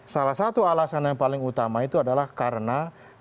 salah satu alasan yang paling utama itu adalah karena